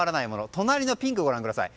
隣のピンクをご覧ください。